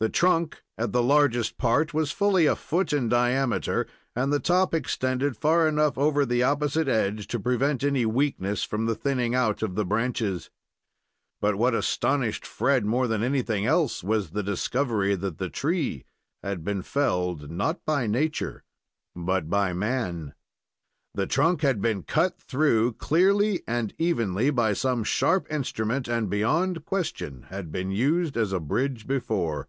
The trunk at the largest part was fully a foot in diameter, and the top extended far enough over the opposite edge to prevent any weakness from the thinning out of the branches. But what astonished Fred more than anything else, was the discovery that the tree had been felled not, by nature, but by man. The trunk had been cut through, clearly and evenly, by some sharp instrument, and beyond question had been used as a bridge before.